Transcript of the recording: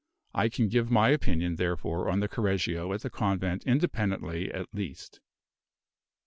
I can give my opinion, therefore, on the Correggio at the convent independently at least.